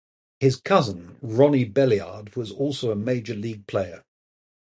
His cousin, Ronnie Belliard, was also a Major League player.